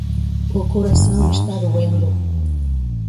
O coração está doendo.